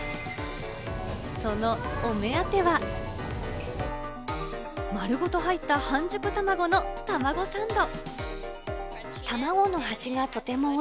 そのお目当ては、丸ごと入った半熟卵のたまごサンド。